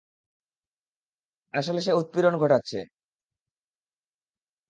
আসলে, সে উৎপীড়ন ঘটাচ্ছে।